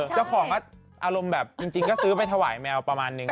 เจ้าของก็อารมณ์แบบจริงก็ซื้อไปถวายแมวประมาณนึง